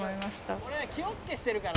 「これ気をつけしてるから」